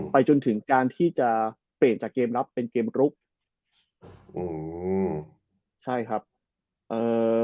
จนถึงการที่จะเปลี่ยนจากเกมรับเป็นเกมกรุ๊ปอืมใช่ครับเอ่อ